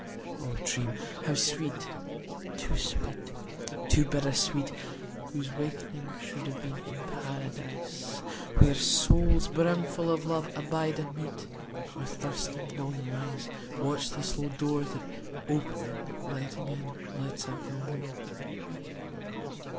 O dream how sweet, too sweet, too bitter sweet, Whose wakening should have been in Paradise, Where souls brimfull of love abide and meet; Where thirsting longing eyes Watch the slow door That opening, letting in, lets out no more.